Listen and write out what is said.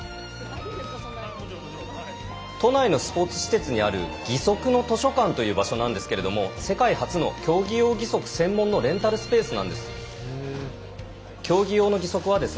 都内のスポーツ施設にあるギソクの図書館という場所なんですけれども世界初の競技用義足専門のレンタルスペースなんです。